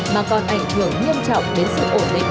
mà còn ảnh hưởng nghiêm trọng đến sự ổn định